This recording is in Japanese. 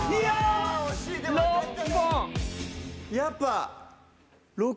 やっぱ。